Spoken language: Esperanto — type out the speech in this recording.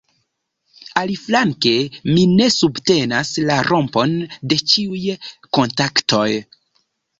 Aliflanke mi ne subtenas la rompon de ĉiuj kontaktoj.